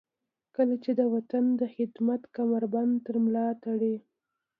کله چې د وطن د خدمت کمربند تر ملاتړئ.